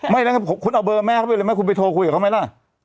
ไม่แล้วคุณเอาเบอร์แม่เขาไปหรือยังไงคุณไปโทรคุยกับเขาไหมล่ะ